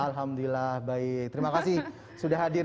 alhamdulillah baik terima kasih sudah hadir